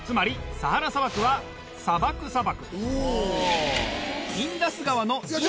サハラ砂漠は砂漠砂漠。